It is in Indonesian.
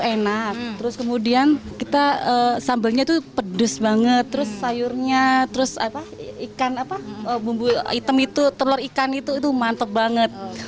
soalnya tongkolnya enak sambelnya pedas banget sayurnya telur ikan mantep banget